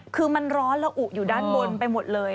คือมันร้อนและอุอยู่ด้านบนไปหมดเลย